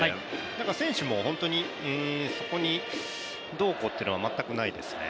選手も本当にそこにどうこうというのは全くないですね。